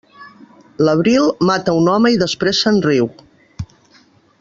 L'abril, mata un home i després se'n riu.